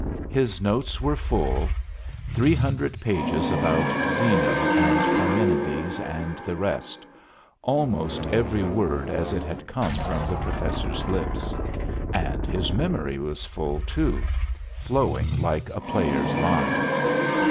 His notes were full: Three hundred pages about Zeno and Parmenides and the rest, almost every word as it had come from the professor's lips. And his memory was full, too, flowing like a player's lines.